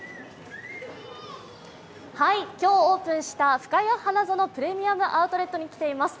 今日オープンしたふかや花園プレミアム・アウトレットに来ています。